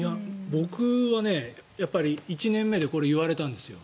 僕はやっぱり１年目でこれ、言われたんですよ。